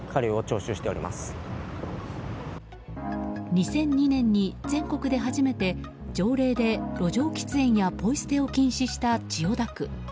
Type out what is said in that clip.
２００２年に全国で初めて条例で路上喫煙やポイ捨てを禁止した千代田区。